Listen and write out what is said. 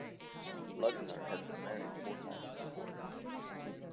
Lugner had been married four times before.